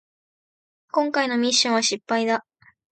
こんかいのミッションは失敗だ